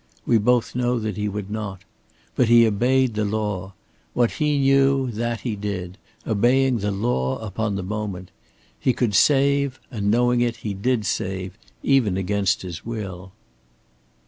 We both know that he would not. But he obeyed the law. What he knew, that he did, obeying the law upon the moment. He could save, and knowing it he did save, even against his will."